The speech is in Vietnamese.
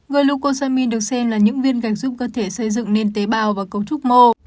glucoxamine được xem là những viên gạch giúp cơ thể xây dựng nền tế bào và cấu trúc mô